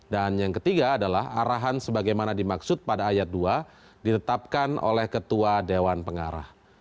dan yang ketiga adalah arahan sebagaimana dimaksud pada ayat dua ditetapkan oleh ketua dewan pengarah